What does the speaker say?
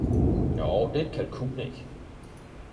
jo, det er et kalkunæg!